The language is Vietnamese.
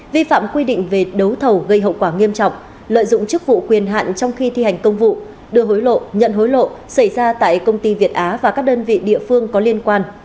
vi phạm quy định về đấu thầu gây hậu quả nghiêm trọng lợi dụng chức vụ quyền hạn trong khi thi hành công vụ đưa hối lộ nhận hối lộ xảy ra tại công ty việt á và các đơn vị địa phương có liên quan